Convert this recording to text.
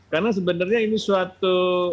karena sebenarnya ini suatu